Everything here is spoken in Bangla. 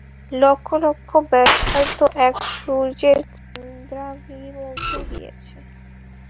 লক্ষ লক্ষ ব্যাসার্ধ এক সূর্যের কেন্দ্রাভিমুখে গিয়াছে।